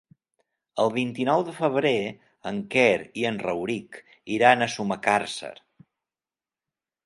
El vint-i-nou de febrer en Quer i en Rauric iran a Sumacàrcer.